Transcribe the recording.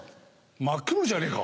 真っ黒じゃねえか！